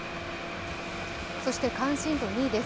そして関心度２位です。